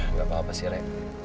nggak apa apa sih lek